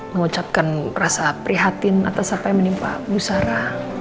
mengucapkan rasa prihatin atas apa yang menimpa bu sara